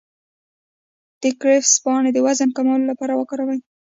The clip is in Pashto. د کرفس پاڼې د وزن د کمولو لپاره وکاروئ